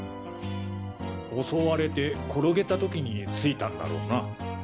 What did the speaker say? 襲われて転げたときに付いたんだろうな。